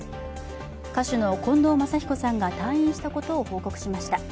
歌手の近藤真彦さんが退院したことを報告しました。